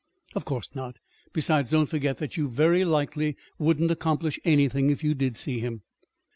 "Of course not. Besides, don't forget that you very likely wouldn't accomplish anything if you did see him."